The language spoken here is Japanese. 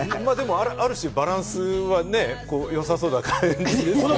ある種、バランスはね、良さそうな感じが。